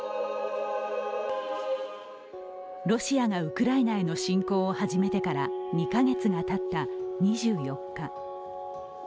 ロシアがウクライナへの侵攻を始めてから２カ月がたった２４日。